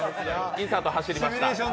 インサート走りました。